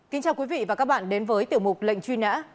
kính chào quý vị và các bạn đến với tiểu mục lệnh truy nã